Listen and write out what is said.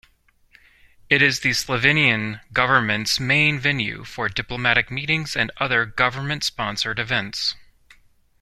It is the Slovenian Government's main venue for diplomatic meetings and other Government-sponsored events.